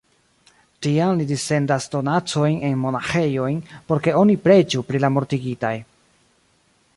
Tiam li dissendas donacojn en monaĥejojn, por ke oni preĝu pri la mortigitaj.